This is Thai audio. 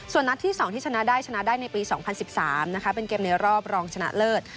ส่วนนัดที่๒ที่ชนะได้ชนะได้ในปี๒๐๑๓นะคะเป็นเกมในรอบรองชนะเลิศ